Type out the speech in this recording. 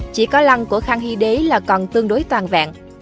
chỉ có lăng của khang hy đế là còn tương đối toàn vẹn